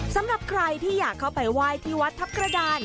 สำหรับใครที่อยากเข้าไปไหว้ที่วัดทัพกระดาน